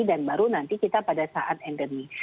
dan baru nanti kita pada saat endemi